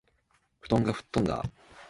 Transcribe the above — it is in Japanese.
布団が吹っ飛んだあ